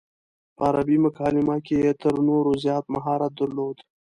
په عربي مکالمه کې یې تر نورو زیات مهارت درلود.